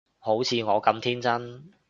好似我咁天真